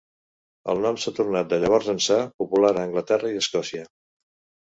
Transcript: El nom s'ha tornat de llavors ençà popular a Anglaterra i Escòcia.